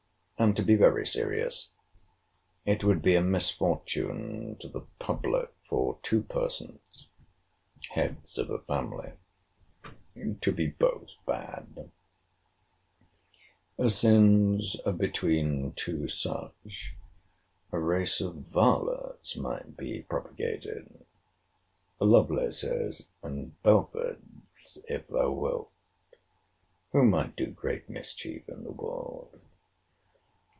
—And, to be very serious, it would be a misfortune to the public for two persons, heads of a family, to be both bad; since, between two such, a race of varlets might be propagated (Lovelaces and Belfords, if thou wilt) who might do great mischief in the world.